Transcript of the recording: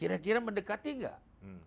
kira kira mendekati tidak